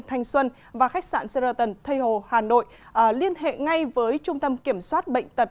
thành xuân và khách sạn sheraton thây hồ hà nội liên hệ ngay với trung tâm kiểm soát bệnh tật